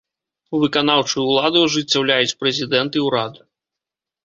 Выканаўчую ўладу ажыццяўляюць прэзідэнт і ўрад.